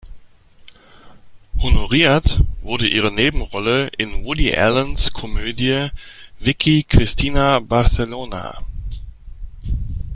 Honoriert wurde ihre Nebenrolle in Woody Allens Komödie "Vicky Cristina Barcelona".